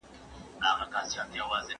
چي خروښیږي له کونړه تر ارغنده تر هلمنده